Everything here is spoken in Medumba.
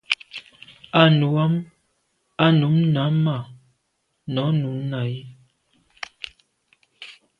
À nu am à num na màa nô num nà i.